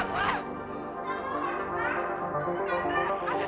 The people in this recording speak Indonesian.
mahau tanteive ya tante